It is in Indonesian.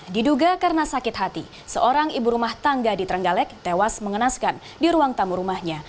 diduga karena sakit hati seorang ibu rumah tangga di trenggalek tewas mengenaskan di ruang tamu rumahnya